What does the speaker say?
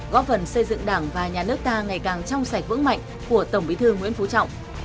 góp phần xây dựng đảng và nhà nước ta ngày càng trong sạch vững mạnh của tổng bí thư nguyễn phú trọng